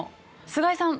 菅井さん